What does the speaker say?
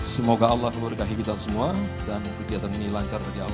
semoga allah melurkahi kita semua dan kegiatan ini lancar berjalan